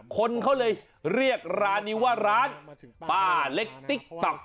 คนเขาเลยเรียกร้านนี้ว่าร้านป้าเล็กติ๊กต๊อก